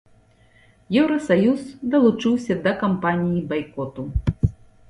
Еўрасаюз далучыўся да кампаніі байкоту.